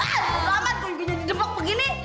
kamu amat gampang jadi demok begini